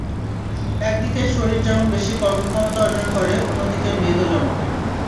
একদিকে শরীর যেমন বেশি কর্মক্ষমতা অর্জন করে, অন্যদিকে মেদও জমে না।